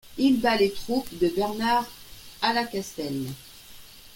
Il bat les troupes de Bernard à La Castelle.